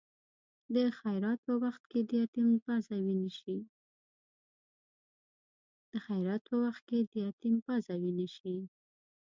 د خیرات په وخت کې د یتیم پزه وینې شي.